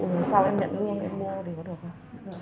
ví dụ sao em nhận lương em mua thì có được không